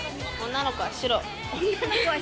女の子は白？